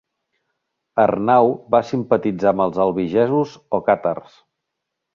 Arnau va simpatitzar amb els albigesos o càtars.